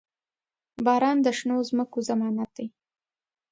• باران د شنو ځمکو ضمانت دی.